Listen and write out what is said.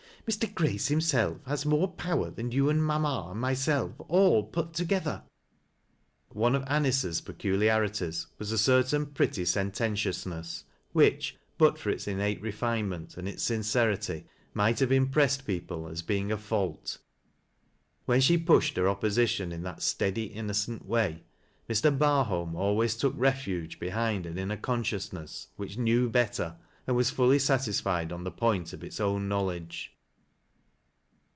Mr. G race himself has more power than you aiiil mamma and myself all put together." On3 of Aiiice's peculiarities was a certain pretty sentcii tiousnsss, which, but for its innate refinement, and its sincerity, might have impressed people as being a fault When she pushed her opposition in that steady, innocent way, Mr. Barholm always took refuge behind an innef consciousness which " knew better," and was fully satisfied on the point of its own knowledge.